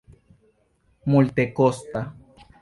multekosta